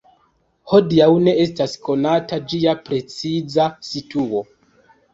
Hodiaŭ ne estas konata ĝia preciza situo.